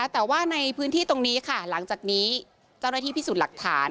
แต่ว่าในพื้นที่ตรงนี้ค่ะหลังจากนี้เจ้าหน้าที่พิสูจน์หลักฐาน